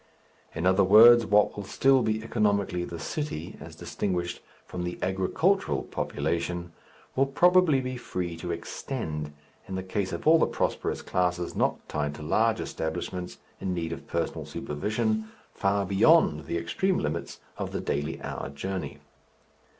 In other words, what will still be economically the "city," as distinguished from the "agricultural" population, will probably be free to extend, in the case of all the prosperous classes not tied to large establishments in need of personal supervision, far beyond the extreme limits of the daily hour journey.